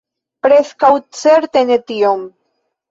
Preskaŭ certe ne tion.